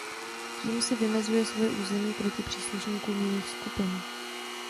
Tím si vymezuje svoje území proti příslušníkům jiných skupin.